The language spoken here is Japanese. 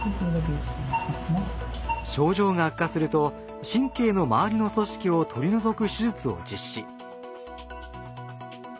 症状が悪化すると神経の周りの組織を取り除く手術を実施。